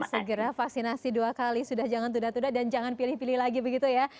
segera vaksinasi dua kali sudah jangan tudah tudah dan jangan pilih pilih lagi begitu ya